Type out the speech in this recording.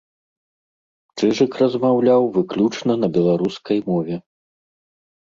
Чыжык размаўляў выключна на беларускай мове.